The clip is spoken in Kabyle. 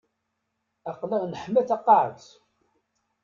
Aql-aɣ neḥma taqaƐet.